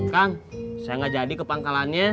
kang saya gak jadi kepangkalannya